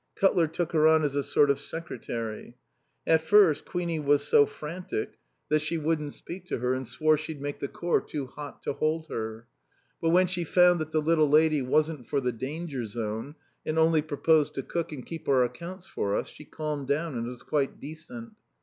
Cutler took her on as a sort of secretary. At first Queenie was so frantic that she wouldn't speak to her, and swore she'd make the Corps too hot to hold her. But when she found that the little lady wasn't for the danger zone and only proposed to cook and keep our accounts for us, she calmed down and was quite decent.